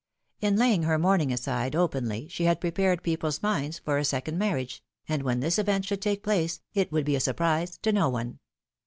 In laying her mourn ing aside openly she had prepared people's minds for a second marriage, and when this event should take place, it would be a surprise to no one.